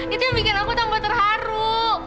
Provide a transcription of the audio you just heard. itu yang bikin aku tambah terharu